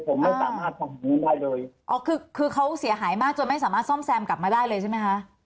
ผมไม่สามารถทำอย่างงี้ได้เลยอ๋อคือคือเขาเสียหายมากจนไม่สามารถซ่อมแซมกลับมาได้เลยใช่ไหมคะ